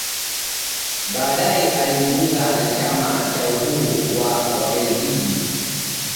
Baadae alijiunga na chama cha Uhuru wa Wabelgiji